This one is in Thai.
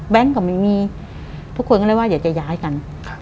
แบงค์ก็ไม่มีทุกคนก็เลยว่าอยากจะย้ายกัน